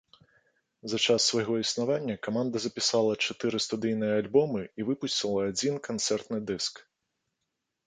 За час свайго існавання каманда запісала чатыры студыйныя альбомы і выпусціла адзін канцэртны дыск.